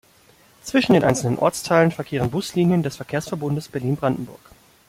Zwischen den einzelnen Ortsteilen verkehren Buslinien des Verkehrsverbundes Berlin-Brandenburg.